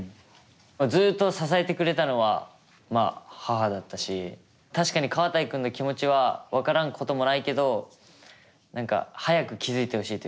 ずっと支えてくれたのは母だったし確かにカワタイ君の気持ちは分からんこともないけど早く気付いてほしいというか。